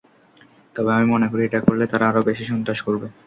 তবে আমি মনে করি, এটা করলে তারা আরও বেশি সন্ত্রাস করবে।